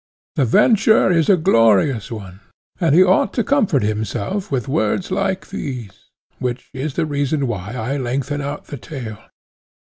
The venture is a glorious one, and he ought to comfort himself with words like these, which is the reason why I lengthen out the tale.